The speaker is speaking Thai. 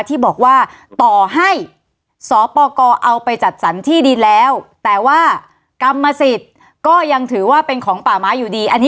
ที่บอกว่าต่อให้สปกเอาไปจัดสรรที่ดินแล้วแต่ว่ากรรมสิทธิ์ก็ยังถือว่าเป็นของป่าไม้อยู่ดี